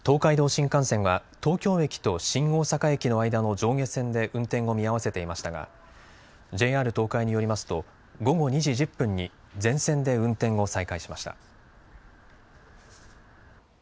東海道新幹線は東京駅と新大阪駅の間の上下線で運転を見合わせていましたがＪＲ東海によりますと午後２時１０分に全線で運転を再開しました。